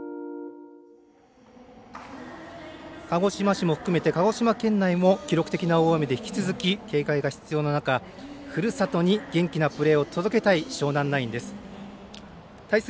鹿児島市も含めて鹿児島県内も記録的な大雨で引き続き、警戒が必要な中ふるさとに元気なプレーを届けたい湘南ナインです。